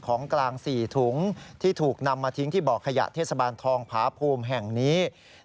ของกลาง๔ถุงที่ถูกนำมาทิ้งที่บ่อขยะเทศบาลทองผาภูมิแห่งนี้